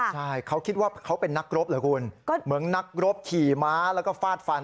ใช่เขาคิดว่าเขาเป็นนักรบเหรอคุณเหมือนนักรบขี่ม้าแล้วก็ฟาดฟัน